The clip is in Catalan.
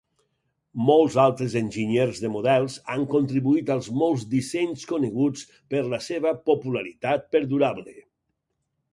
Molts altres enginyers de models han contribuït als molts dissenys coneguts per la seva popularitat perdurable.